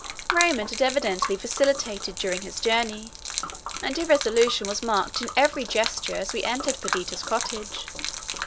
Raymond had evidently vacillated during his journey, and irresolution was marked in every gesture as we entered Perdita's cottage.